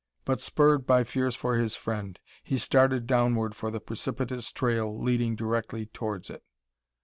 But, spurred by fears for his friend, he started downward for the precipitious trail leading directly towards it.